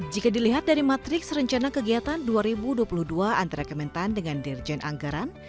jika dilihat dari matriks rencana kegiatan dua ribu dua puluh dua antara kementan dengan dirjen anggaran